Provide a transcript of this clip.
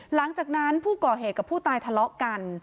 หลังจากนั้นผู้ก่อเหตุกับผู้ตายทะเลาะกัน